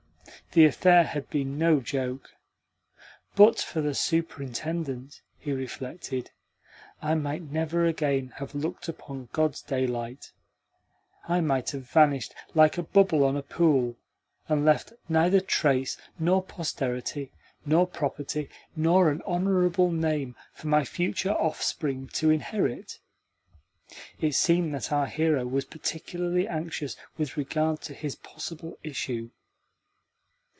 The affair had been no joke. "But for the Superintendent," he reflected, "I might never again have looked upon God's daylight I might have vanished like a bubble on a pool, and left neither trace nor posterity nor property nor an honourable name for my future offspring to inherit!" (it seemed that our hero was particularly anxious with regard to his possible issue).